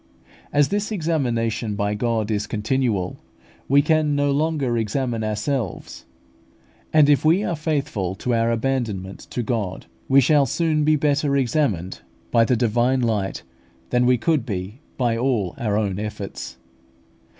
As this examination by God is continual, we can no longer examine ourselves; and if we are faithful to our abandonment to God, we shall soon be better examined by the divine light than we could be by all our own efforts.